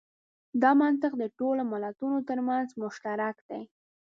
دا منطق د ټولو ملتونو تر منځ مشترک دی.